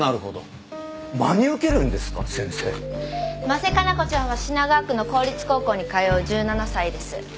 真瀬加奈子ちゃんは品川区の公立高校に通う１７歳です。